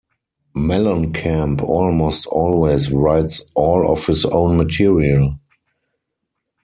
Mellencamp almost always writes all of his own material.